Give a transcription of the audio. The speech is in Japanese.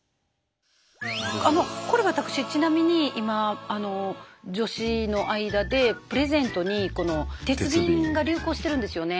あのこれ私ちなみに今女子の間でプレゼントにこの鉄瓶が流行してるんですよね。